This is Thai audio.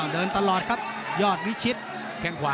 เดินตลอดครับยอดวิชิตแข้งขวา